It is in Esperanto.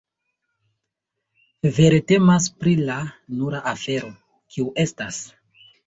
Vere temas pri la nura afero, kiu estas.